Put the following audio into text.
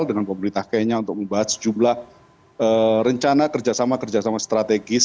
dengan pemerintah kenya untuk membahas sejumlah rencana kerjasama kerjasama strategis